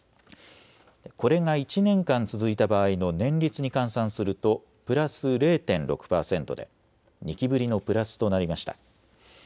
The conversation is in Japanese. これが１年間続いた場合の年率に換算するとプラス０．６％で２期ぶりのプラスとなりました。